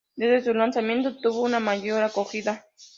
Desde su lanzamiento tuvo una mayor acogida.